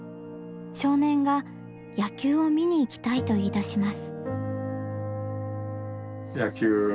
少年が「野球を観に行きたい」と言い出します。